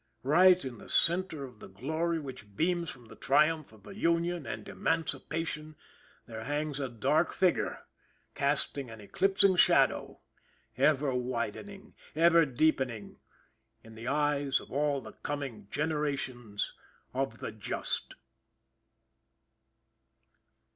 Right in the centre of the glory which beams from the triumph of the Union and Emancipation, there hangs a dark figure casting an eclipsing shadow ever widening ever deepening in the eyes of all the coming generations of the just.